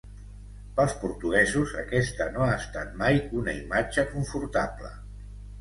Pels portuguesos, aquesta no ha estat mai una imatge confortable.